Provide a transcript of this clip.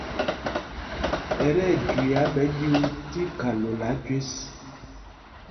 Ɛ tí ɛjüiá ɓɛ ɗyuu tí khalola jüés.